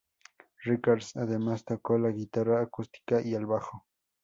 Richards además toca la guitarra acústica y el bajo.